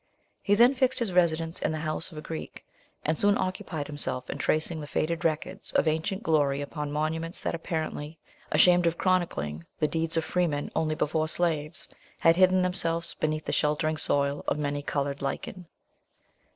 He then fixed his residence in the house of a Greek; and soon occupied himself in tracing the faded records of ancient glory upon monuments that apparently, ashamed of chronicling the deeds of freemen only before slaves, had hidden themselves beneath the sheltering soil or many coloured lichen.